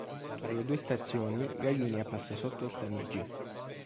Fra le due stazioni, la linea passa sotto il Tamigi.